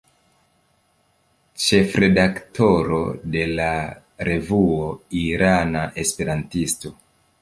Ĉefredaktoro de la revuo "Irana Esperantisto".